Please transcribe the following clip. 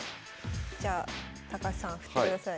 じゃあ高橋さん振ってください。